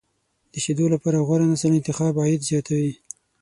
د شیدو لپاره غوره نسل انتخاب، عاید زیاتوي.